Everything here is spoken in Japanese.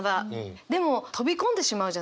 でも飛び込んでしまうじゃないですか